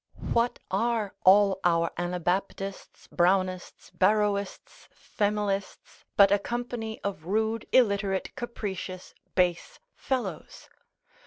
What are all our Anabaptists, Brownists, Barrowists, familists, but a company of rude, illiterate, capricious, base fellows?